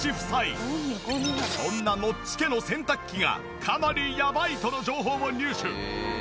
そんなノッチ家の洗濯機がかなりやばいとの情報を入手。